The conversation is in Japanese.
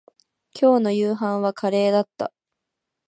今日の夕飯はカレーだった